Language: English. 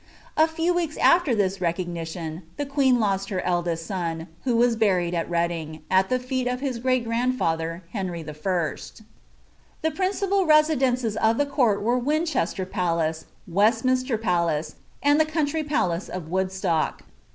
A few weeks after ihia rpco^Hion, the queen lost her eldest son, who was buried at Reading, at the fir«t of his great grand lather, Henry I. The principal residences of the court were Winchester Palace, West minster Palace, and the country palace of Woodstock.